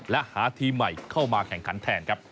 และหาทีมใหม่เข้ามาแข่งขันแทนครับ